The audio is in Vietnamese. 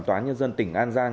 tòa án nhân dân tỉnh an giang